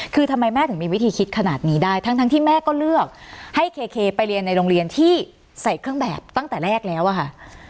คือทำไมแม่ถึงมีวิธีคิดขนาดนี้ได้ทั้งที่แม่ก็เลือกให้เคไปเรียนในโรงเรียนที่ใส่เครื่องแบบตั้งแต่แรกแล้วอะค่ะ